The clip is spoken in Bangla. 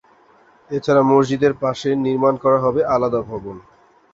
এছাড়া মসজিদের পাশে নির্মাণ করা হবে আলাদা ভবন।